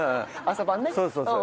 そうそうそう。